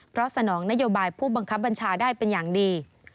เพราะสนองนโยบายผู้บังคับบัญชาได้เป็นอย่างดี